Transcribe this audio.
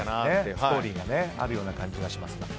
ストーリーがあるような感じがしますね。